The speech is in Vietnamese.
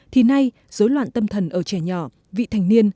thì nay dối loạn tâm thần ở trẻ nhỏ vị thành niên